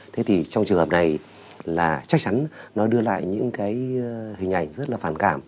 thế thì trong trường hợp này là chắc chắn nó đưa lại những cái hình ảnh rất là phản cảm